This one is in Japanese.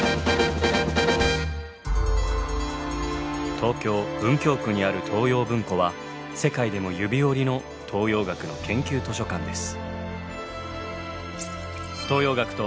東京・文京区にある東洋文庫は世界でも指折りの東洋学の研究図書館です。